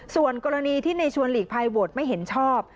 ส่วนกรณีที่ในชวนหลีกภัยโหวตไม่เห็นชอบ